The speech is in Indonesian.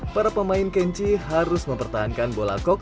para pemain kenchi harus mempertahankan bola kok